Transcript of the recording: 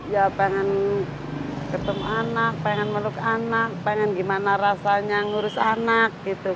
ya pengen ketemu anak pengen meluk anak pengen gimana rasanya ngurus anak gitu